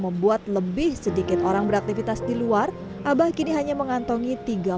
membuat lebih sedikit orang beraktivitas di luar abah kini hanya mengantongi tiga puluh sampai lima puluh rupiah